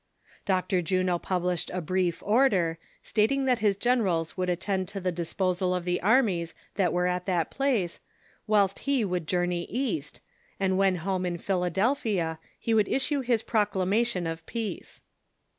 Dr. Juno published a brief order, stating that his gene rals would attend to the disposal of the armies that were at that place, whilst he would journey East, and when home in Philadelphia, he would issue his Proclamation of Peace.